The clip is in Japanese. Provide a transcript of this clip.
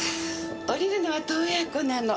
降りるのは洞爺湖なの。